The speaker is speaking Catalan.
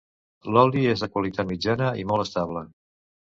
L'oli és de qualitat mitjana i molt estable.